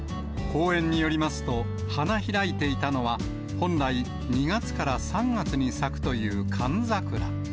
公園によりますと、花開いていたのは、本来２月から３月に咲くという寒桜。